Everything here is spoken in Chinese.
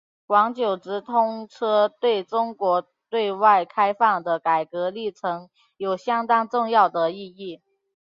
广九直通车对中国对外开放的改革历程有相当重要的意义。